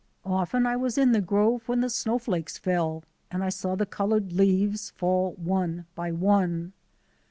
Often I was in the grove when the snowflakes fell; and I saw the coloured leaves fall one by one.